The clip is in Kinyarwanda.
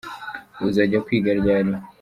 uzajya kwiga ryari?